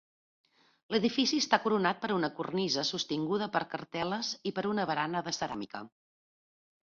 L'edifici està coronat per una cornisa sostinguda per cartel·les i per una barana de ceràmica.